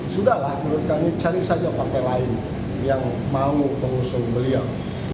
sudahlah menurut kami cari saja partai lain yang mau mengusung beliau